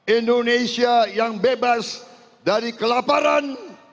indonesia yang bebas dari kelaparan